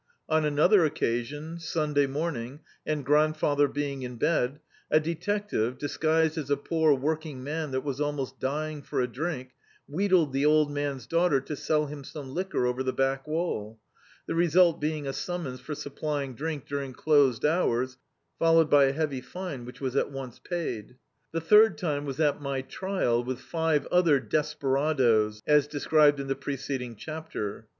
On an other occasi(»i, Sunday morning, and grandfather be ing in bed, a detective, disguised as a poor working man that was almost dying for a drink, wheedled the old man's dau^ter to sell him some liquor over the back wall — the result being a summons for sup plying drink during closed hours, followed by a heavy fine, which was at once paid. The third time was at my trial with five other desperadoes, as de scribed in the preceding chapter.